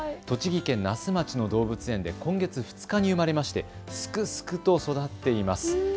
栃木県那須町の動物園で今月２日に生まれましてすくすくと育っています。